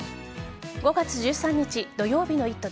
５月１３日土曜日の「イット！」